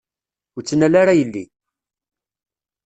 Ur ttnal ara yelli!